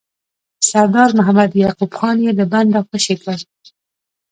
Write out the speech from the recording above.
سردار محمد یعقوب خان یې له بنده خوشي کړ.